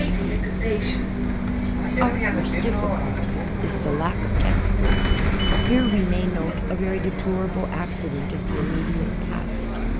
Antagonistic Textbooks ( )ur first difficulty is the lack of textbooks. Here we may note a very deplorable accident of the immediate past.